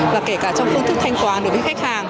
và kể cả trong phương thức thanh toán đối với khách hàng